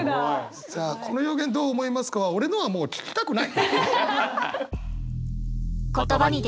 さあ「この表現どう思いますか」は俺のはもう聞きたくない。